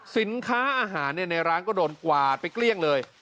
สินค้าอาหารในร้านก็โดนกวาดไปเกลี้ยงเลย